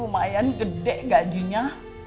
rumayan gede gajinya